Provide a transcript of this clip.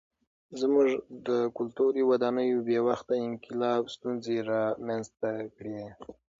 زموږ د کلتوري ودانیو بې وخته انقلاب ستونزې رامنځته کړې.